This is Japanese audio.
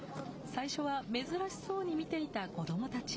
最初は珍しそうに見ていた子どもたち。